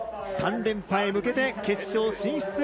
３連覇へ向けて決勝進出